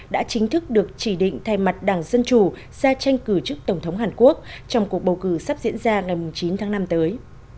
đã chính thức được chỉ định thay mặt đảng dân chủ ra tranh cử chức tổng thống hàn quốc trong cuộc bầu cử sắp diễn ra ngày chín tháng năm tới